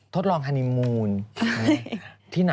ทดลองฮาร์นิมูณด์